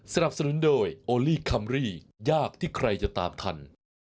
สนับสนุนโดยโอลี่คัมรี่ยากที่ใครจะตามทัน